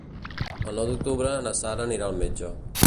El nou d'octubre na Sara anirà al metge.